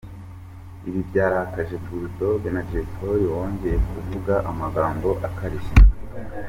Ibi byarakaje cyane Bull Dogg na Jay Polly wongeye kuvuga amagambo akarishye.